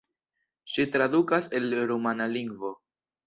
Ŝi tradukas el rumana lingvo.